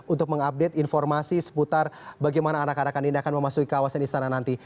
untuk mengupdate informasi seputar bagaimana anak anak andin akan memasuki kawasan istana nanti